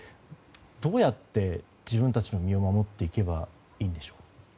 どうやって自分たちの身を守っていけばいいのでしょうか。